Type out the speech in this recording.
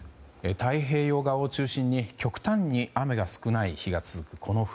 太平洋側を中心に極端に雨が少ない日が続くこの冬。